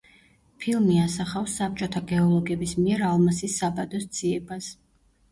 ფილმი ასახავს საბჭოთა გეოლოგების მიერ ალმასის საბადოს ძიებას.